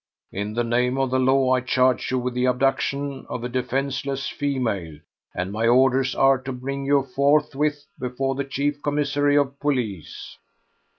In the name of the law I charge you with the abduction of a defenceless female, and my orders are to bring you forthwith before the Chief Commissary of Police."